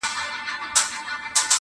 • مور د کور درد زغمي..